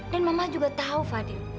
dan mama juga tahu fadil